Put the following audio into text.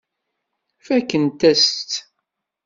Fakkent-as-tt.